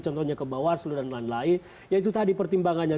contohnya ke bawaslu dan lain lain ya itu tadi pertimbangannya